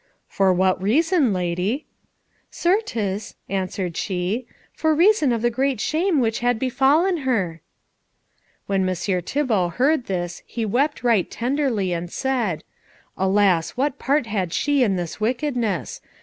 "For what reason, lady?" "Certes," answered she, "for reason of the great shame which had befallen her." When Messire Thibault heard this he wept right tenderly, and said, "Alas, what part had she in this wickedness!